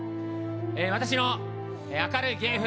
私の明るい芸風